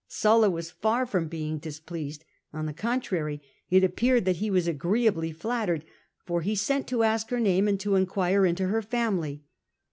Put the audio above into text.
Sulla was far from being displeased : on tbe contrary, it appeared that he was agreeably flattered, for he sent to ask her name, and to inquire into her family.